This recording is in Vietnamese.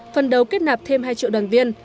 phần đầu kết nạp thêm hai triệu đoàn viên